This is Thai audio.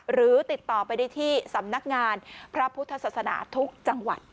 หรือติดต่อไปได้ที่สำนักงานพระพุทธศาสนาทุกจังหวัด